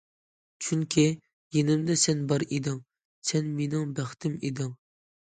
چۈنكى، يېنىمدا سەن بار ئىدىڭ، سەن مېنىڭ بەختىم ئىدىڭ!